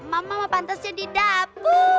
mamamah pantasnya di dapur